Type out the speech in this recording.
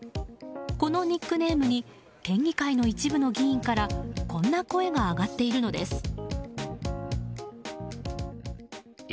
このニックネームに県議会の一部の議員からこんな声が上がっているのです。